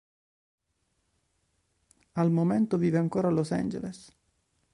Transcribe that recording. Al momento vive ancora a Los Angeles.